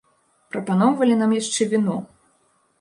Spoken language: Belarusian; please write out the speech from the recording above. Прапаноўвалі нам яшчэ віно.